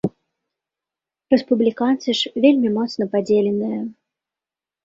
Рэспубліканцы ж вельмі моцна падзеленыя.